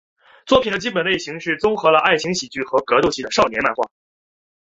作品的基本类型是综合了爱情喜剧与格斗技的少年漫画。